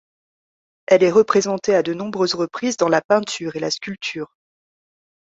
Elle est représentée à de nombreuses reprises dans la peinture et la sculpture.